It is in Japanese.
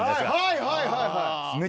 はいはいはいはい！